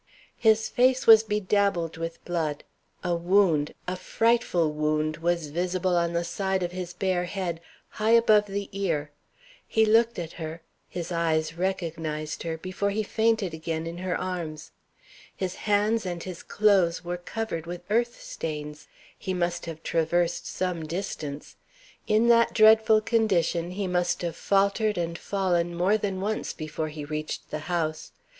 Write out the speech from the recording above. His face was bedabbled with blood. A wound, a frightful wound, was visible on the side of his bare head, high above the ear. He looked at her, his eyes recognized her, before he fainted again in her arms. His hands and his clothes were covered with earth stains. He must have traversed some distance; in that dreadful condition he must have faltered and fallen more than once before he reached the house.